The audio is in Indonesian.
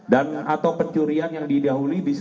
dan atau pencurian yang didahului